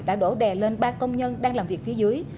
đã đổ đè lên ba công nhân đang làm việc phía dưới